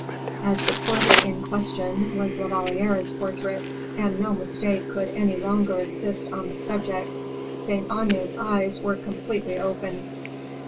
As the portrait in question was La Valliere's portrait, and no mistake could any longer exist on the subject, Saint Aignan's eyes were completely opened.